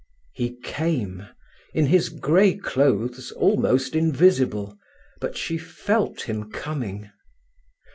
He came, in his grey clothes almost invisible. But she felt him coming.